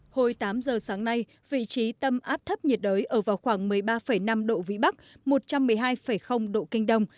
hồi tám giờ sáng nay vị trí tâm áp thấp nhiệt đới ở vào khoảng một mươi ba năm độ vĩ bắc một trăm một mươi hai độ kinh đông